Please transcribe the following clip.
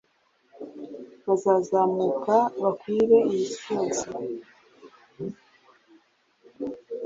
Bazazamuka bakwire isi yose